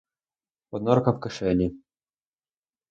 Одна рука в кишені.